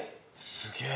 すげえ。